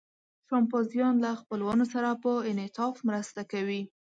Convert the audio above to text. شامپانزیان له خپلوانو سره په انعطاف مرسته کوي.